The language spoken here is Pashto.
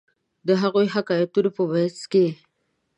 د هغو حکایتونو په منځ کې.